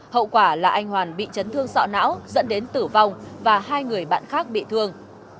hậu quả là anh hoàn bị chấn thương sọ não dẫn đến tử vong và hai người bạn khác bị thương